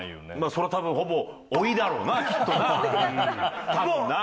それはたぶん、ほぼ老いだろうな、きっとな。